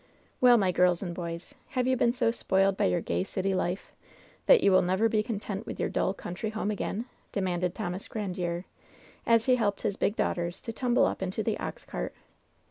"Well, my girls and boys, have you been so spoiled by your gay city life that you will never be content with your dull, country home again?" demanded Thomas Grandiere, as he helped his big daughters to tumble up into the ox cart.